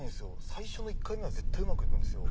最初の１回目は絶対うまくいくんですよ